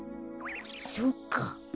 そっか。